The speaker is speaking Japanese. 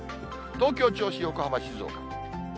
東京、銚子、横浜、静岡。